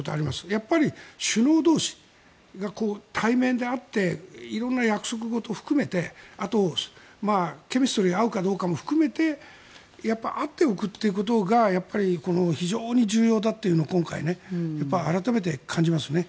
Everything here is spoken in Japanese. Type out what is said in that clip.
やっぱり首脳同士が対面で会って色んな約束事を含めてあとケミストリーが合うかどうかも含めて会っておくということが非常に重要だということを今回改めて感じますね。